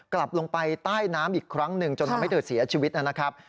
กลับลงไปใต้น้ำอีกครั้งหนึ่งจนทำให้เธอเสียชีวิตนะครับ